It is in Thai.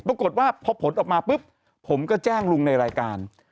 ปรากฏว่าพอผลออกมาปุ๊บผมก็แจ้งลุงในรายการ